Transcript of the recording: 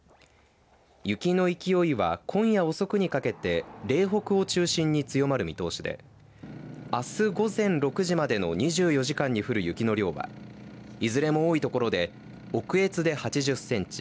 雪の勢いは今夜遅くにかけて嶺北を中心に強まる見通しであす午前６時までの２４時間に降る雪の量はいずれも多い所で奥越で８０センチ